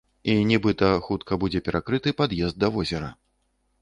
І нібыта хутка будзе перакрыты пад'езд да возера.